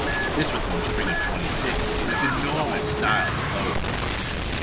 This was in the spring of '26. It was enormous style for those days.